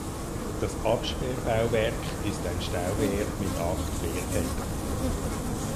Das Absperrbauwerk ist ein Stauwehr mit acht Wehrfeldern.